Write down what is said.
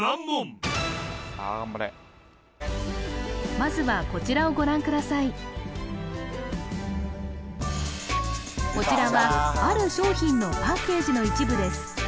まずはこちらはある商品のパッケージの一部です